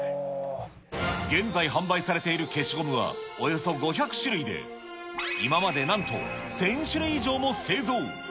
現在販売されている消しゴムはおよそ５００種類で、今までなんと１０００種類以上も製造。